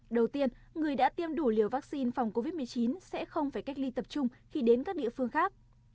đầu tiên người đã tiêm đủ liều vaccine phòng covid một mươi chín sẽ không phải cách ly tập trung khi đến các địa phương khác